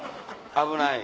危ない。